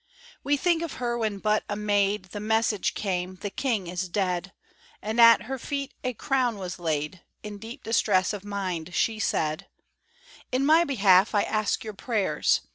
We think of her when but a maid The message came, "the King is dead!" And at her feet a crown was laid; In deep distress of mind, she said: "_In my behalf I ask your prayers.